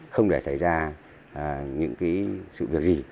không để xảy ra những sự việc gì